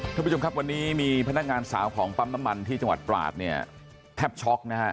ทุกผู้ชมครับวันนี้มีพนักงานสาวของปั๊มน้ำมันที่จังหวัดตราดเนี่ยแทบช็อกนะฮะ